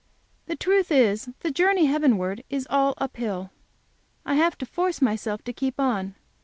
The truth is, the journey heavenward is all up hill I have to force myself to keep on.